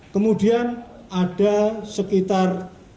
kemudian ada sekitar